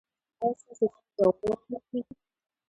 ایا ستاسو زنګ به و نه وهل کیږي؟